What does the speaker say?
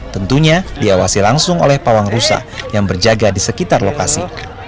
tentunya diawasi langsung oleh pawang rusa yang berjaga di sekitar lokasi